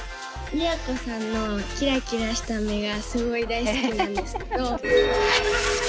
都さんのキラキラした目がすごい大好きなんですけど。